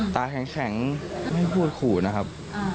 ตาแข็งไม่พูดขู่นะครับ